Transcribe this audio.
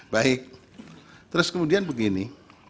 baik terus kemudian begini